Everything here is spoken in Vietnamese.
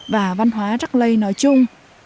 và văn hóa rắc lây nói chung